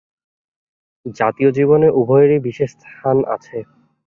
জাতীয় জীবনে উভয়েরই বিশেষ স্থান আছে।